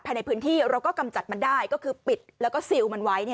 ในพื้นที่เราก็กำจัดมันได้ก็คือปิดแล้วก็ซิลมันไว้